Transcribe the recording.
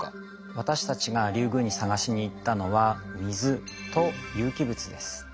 私たちがリュウグウに探しに行ったのは水と有機物です。